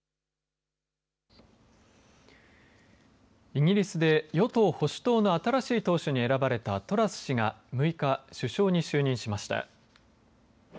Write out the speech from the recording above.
イギリスで与党・保守党の新しい党首に選ばれたトラス氏が、６日首相に就任しました。